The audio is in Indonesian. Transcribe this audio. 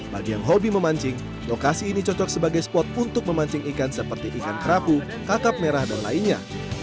bagi yang hobi memancing lokasi ini cocok sebagai spot untuk memancing ikan seperti ikan kerapu kakap merah dan lainnya